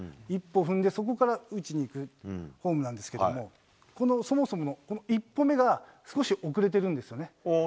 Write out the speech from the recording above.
一歩踏んで、そこから打ちにいくフォームなんですけれども、そもそも１歩目が少し遅れてるんですよね。